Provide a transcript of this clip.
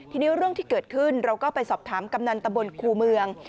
ทีนี้เรื่องที่เกิดขึ้นเราก็ไปสอบถามกำนันตะบนครูเมือง